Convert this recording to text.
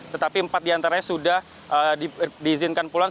tetapi empat diantaranya sudah diizinkan pulang